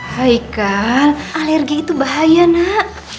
haikal alergi itu bahaya nak